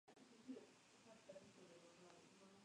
Fue publicada en Buenos Aires por Losada.